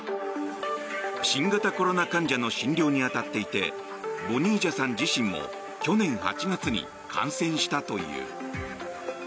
新型コロナ患者の診療に当たっていてボニージャさん自身も去年８月に感染したという。